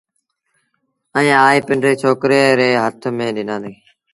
ائيٚݩ آئي پنڊري ڇوڪري ري هٿ ميݩ ڏنآݩديٚ